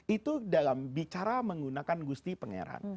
itu dalam bicara menggunakan gusti pengeran